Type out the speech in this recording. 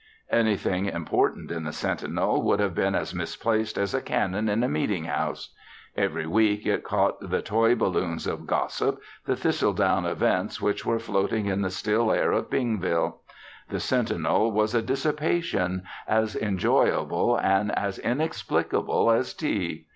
Anything important in the Sentinel would have been as misplaced as a cannon in a meeting house. Every week it caught the toy balloons of gossip, the thistledown events which were floating in the still air of Bingville. The Sentinel was a dissipation as enjoyable and as inexplicable as tea.